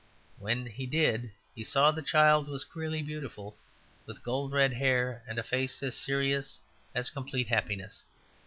When he did he saw the child was queerly beautiful, with gold red hair, and a face as serious as complete happiness.